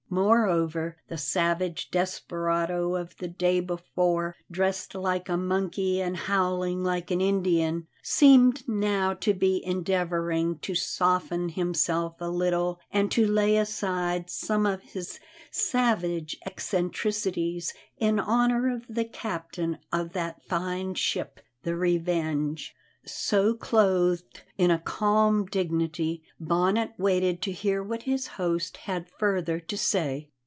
Moreover, the savage desperado of the day before, dressed like a monkey and howling like an Indian, seemed now to be endeavouring to soften himself a little and to lay aside some of his savage eccentricities in honour of the captain of that fine ship, the Revenge. So, clothed in a calm dignity, Bonnet waited to hear what his host had further to say.